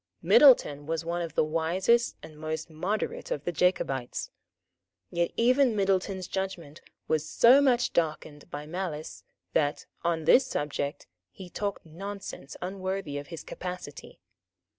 Middleton was one of the wisest and most moderate of the Jacobites. Yet even Middleton's judgment was so much darkened by malice that, on this subject, he talked nonsense unworthy of his capacity.